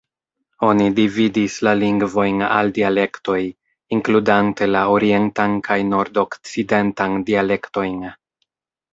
Oni dividis la lingvojn al dialektoj, inkludante la orientan kaj nord-okcidentan dialektojn.